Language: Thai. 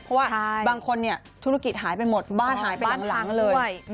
เพราะว่าบางคนธุรกิจหายไปหมดบ้านหายไปหลังเลย